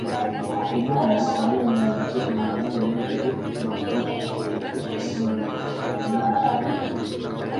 Umumnya, kami memiliki pengalaman dengan suhu makroskopis, yang melibatkan sejumlah besar partikel.